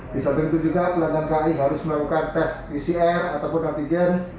di samping itu juga pelanggan kai harus melakukan tes pcr ataupun antigen